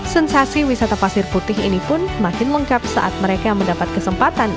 sensasi wisata pasir putih ini pun makin lengkap saat mereka mendapat kesempatan